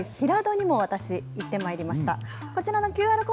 今回、平戸にも私、行ってまいりました。